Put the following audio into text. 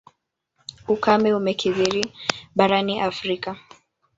Ukame umekithiri barani Afrika.